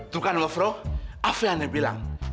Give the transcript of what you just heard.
tuh kan maaf roh afriana bilang